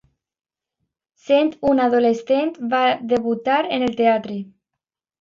Sent un adolescent va debutar en el teatre.